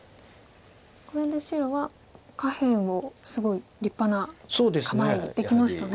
これで白は下辺をすごい立派な構えにできましたね。